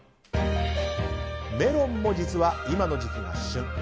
メロンも実は今の時期が旬。